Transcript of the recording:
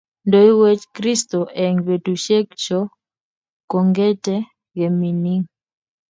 Ndoiwech kristo eng betusiek chog kongete kemining